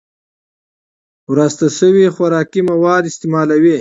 وراسته شوي خوراکي مواد استعمالوي